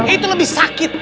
itu lebih sakit